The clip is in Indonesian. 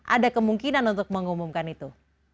ada kemungkinan untuk mengumumkan itu